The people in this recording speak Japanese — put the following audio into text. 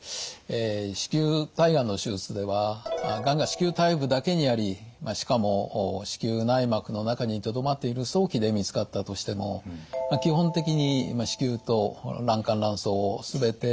子宮体がんの手術ではがんが子宮体部だけにありしかも子宮内膜の中にとどまっている早期で見つかったとしても基本的に子宮と卵管卵巣を全て摘出します。